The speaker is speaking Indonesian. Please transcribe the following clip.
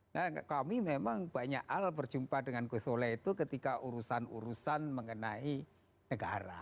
nah kami memang banyak hal berjumpa dengan gusole itu ketika urusan urusan mengenai negara